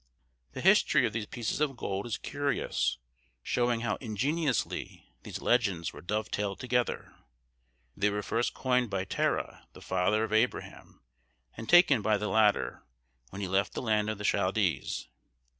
The history of these pieces of gold is curious, showing how ingeniously these legends were dovetailed together. They were first coined by Terah, the father of Abraham, and taken by the latter, when he left the land of the Chaldees.